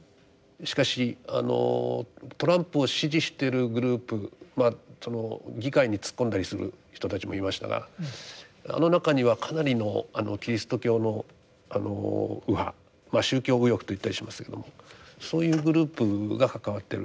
しかしあのトランプを支持してるグループまあその議会に突っ込んだりする人たちもいましたがあの中にはかなりのキリスト教の右派宗教右翼と言ったりしますけどもそういうグループが関わってる。